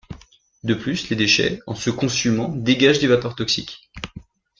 De plus, les déchets, en se consumant, dégagent des vapeurs toxiques.